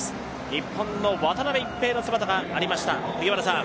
日本の渡辺一平の姿がありました。